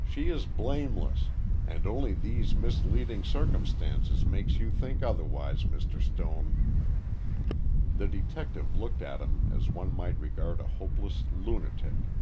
She is blameless, and only these misleading circumstances make you think otherwise, Mr. Stone." The detective looked at him as one might regard a hopeless lunatic.